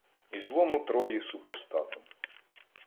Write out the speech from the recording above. І злому Трої супостату